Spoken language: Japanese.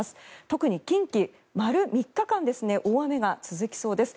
特に近畿、丸３日間大雨が続きそうです。